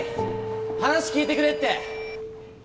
話聞いてくれって。